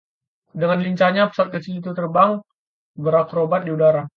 dengan lincahnya pesawat kecil itu terbang berakrobat di udara